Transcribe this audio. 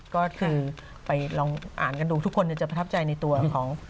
ก็คือไปลองอ่านกันดูทุกคนจะประทับใจในตัวของ